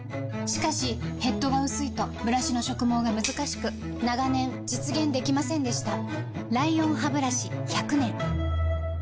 しかしヘッドが薄いとブラシの植毛がむずかしく長年実現できませんでした